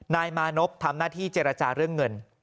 นายมานพทำหน้าที่เจรจาเรื่องเงิน